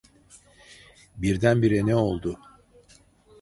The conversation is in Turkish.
Birdenbire ne oldu?